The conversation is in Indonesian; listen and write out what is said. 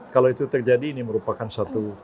kalau itu terjadi ini merupakan satu